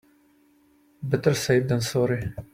Better safe than sorry.